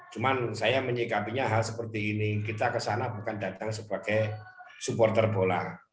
cuman saya menyikapinya hal seperti ini kita kesana bukan datang sebagai supporter bola